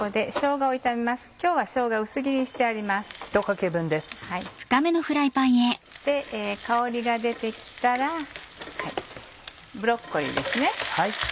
香りが出て来たらブロッコリーです。